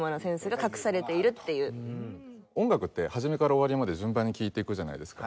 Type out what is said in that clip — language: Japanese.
音楽って初めから終わりまで順番に聴いていくじゃないですか。